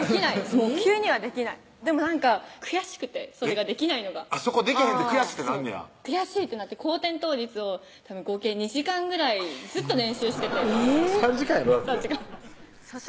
急にはできないでもなんか悔しくてそれができないのがそこでけへんって悔しいってなんねや悔しいってなって後転倒立をたぶん合計２時間ぐらいずっと練習してて３時間やろ？